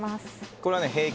これはね平均